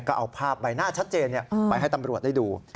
ก็เอาภาพใบหน้าชัดเจนไปให้ตำรวจได้ดู